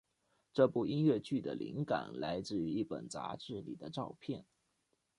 这部音乐剧的灵感来自于一本杂志里的照片。